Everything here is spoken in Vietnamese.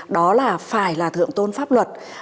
đó là phải là thượng tôn pháp luật